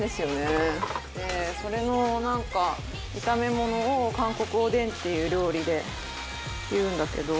それのなんか炒め物を韓国おでんっていう料理でいうんだけど。